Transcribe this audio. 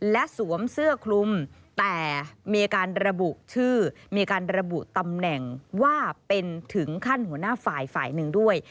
และสวมเสื้อคลุมแต่มีการระบุชื่อมีการระบุตำแหน่งว่าเป็นถึงขั้นหัวหน้าฝ่ายฝ่ายหนึ่งด้วย